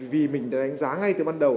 vì mình đánh giá ngay từ ban đầu